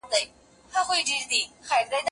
هغه وويل چي منډه ښه ده!.